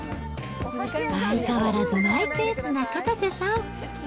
相変わらずマイペースなかたせさん。